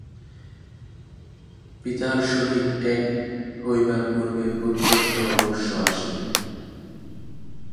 পিতার সহিত এক হইবার পূর্বে পুত্রত্ব অবশ্য আসিবে।